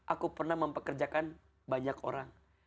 aku pernah mempekerjakan banyak orang